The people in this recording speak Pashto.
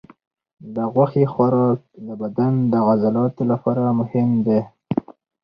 د غوښې خوراک د بدن د عضلاتو لپاره مهم دی.